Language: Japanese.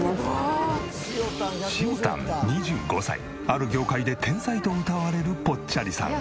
ある業界で天才とうたわれるぽっちゃりさん。